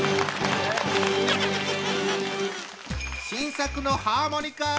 新作のハーモニカ！